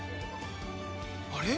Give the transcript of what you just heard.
あれ？